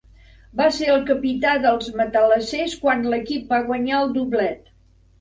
Va ser el capità dels matalassers quan l'equip va guanyar el doblet.